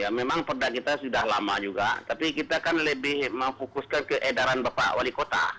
ya memang perda kita sudah lama juga tapi kita kan lebih memfokuskan ke edaran bapak wali kota